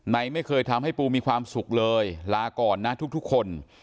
ไม่เคยทำให้ปูมีความสุขเลยลาก่อนนะทุกคน